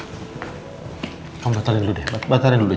kamu batalin dulu deh batalin dulu aja